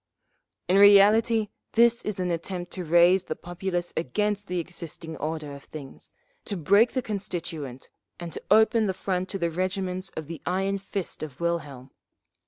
'_ "In reality, this is an attempt to raise the populace against the existing order of things, to break the Constituent and to open the front to the regiments of the iron fist of Wilhelm….